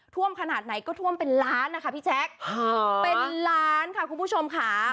ท่วมขนาดไหนก็ท่วมเป็นล้านนะคะพี่แจ๊คเป็นล้านค่ะคุณผู้ชมค่ะ